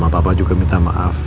mama papa juga minta maaf